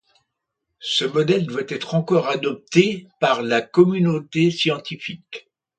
Ce modèle doit encore être adopté par la communauté scientifique.